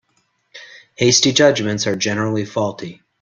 Hasty judgements are generally faulty.